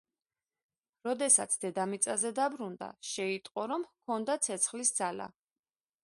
როდესაც დედამიწაზე დაბრუნდა, შეიტყო, რომ ჰქონდა ცეცხლის ძალა.